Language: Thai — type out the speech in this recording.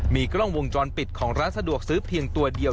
มีกล้องวงจรปิดของร้านสะดวกซื้อเพียงตัวเดียว